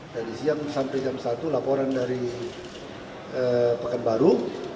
dari siang sampai jam satu laporan dari pekanbaru